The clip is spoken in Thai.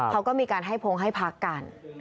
เขาก็มีการให้พงให้พักกัน